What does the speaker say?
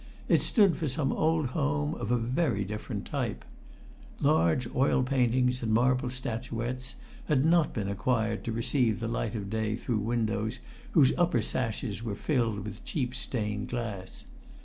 It stood for some old home of very different type. Large oil paintings and marble statuettes had not been acquired to receive the light of day through windows whose upper sashes were filled with cheap stained glass.